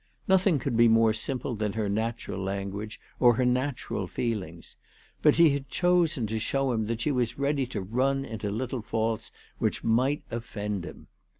Nothing could be more simple than her natural language or her natural feelings. But she had chosen to show him that she was ready to run into little faults which might offend him.